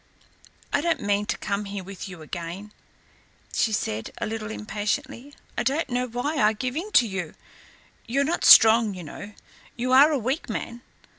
"I don't mean to come here with you again," she said, a little impatiently. "I don't know why I give in to you. You're not strong, you know. You are a weak man.